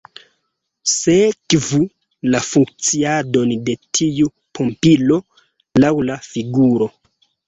Sekvu la funkciadon de tiu pumpilo laŭ la figuro.